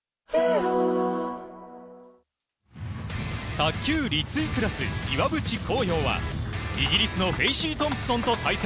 卓球立位クラス岩渕幸洋はイギリスのフェイシートンプソンと対戦。